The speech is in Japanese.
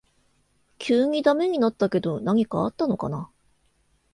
急にダメになったけど何かあったのかな